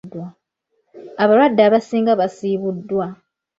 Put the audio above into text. Abalwadde abasinga basiibuddwa.